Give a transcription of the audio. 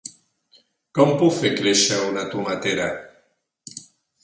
Com puc fer créixer una tomatera?